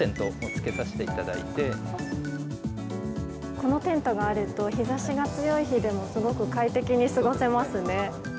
このテントがあると日差しが強い日でもすごく快適に過ごせますね。